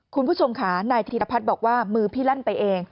คุณผู้ชมค่ะนายธีรพัฒน์บอกว่ามือพี่ลั่นไปเอง